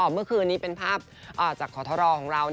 เมื่อคืนนี้เป็นภาพจากขอทรของเรา